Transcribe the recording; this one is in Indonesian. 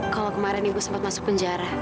kalau kemarin ibu sempat masuk penjara